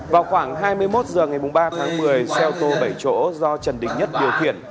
vào khoảng hai mươi một h ngày ba tháng một mươi xe ô tô bảy chỗ do trần đình nhất điều khiển